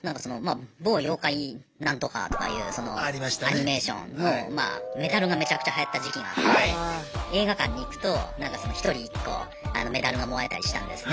アニメーションのメダルがめちゃくちゃはやった時期があって映画館に行くと１人１個メダルがもらえたりしたんですね。